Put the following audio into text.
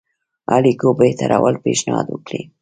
اړيکو بهترولو پېشنهاد وکړي.